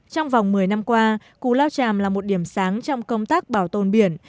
trong vòng một mươi năm qua cù lao tràm là một điểm sáng trong công tác bảo tồn biển